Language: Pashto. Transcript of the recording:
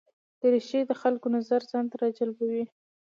دریشي د خلکو نظر ځان ته راجلبوي.